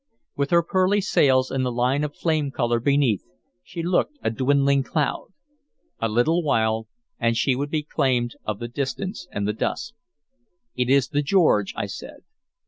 With her pearly sails and the line of flame color beneath, she looked a dwindling cloud; a little while, and she would be claimed of the distance and the dusk. "It is the George," I said.